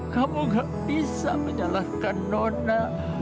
kamu gak bisa menyalahkan nona